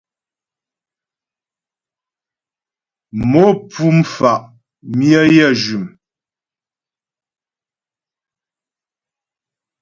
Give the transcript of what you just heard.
Mo pfú mfà' myə yə jʉm.